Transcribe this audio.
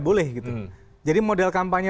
boleh gitu jadi model kampanye